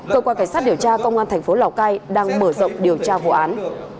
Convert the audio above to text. cơ quan cảnh sát điều tra công an tp lào cai đang mở rộng điều tra vụ án